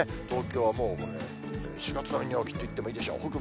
東京はもう４月並みの陽気といってもいいでしょう。